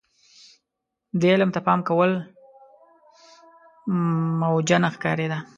دې علم ته پام کول موجه نه ښکارېده.